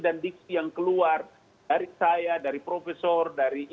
baik bang ali tapi tadi